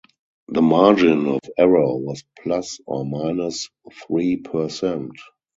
The margin of error was plus or minus three percent.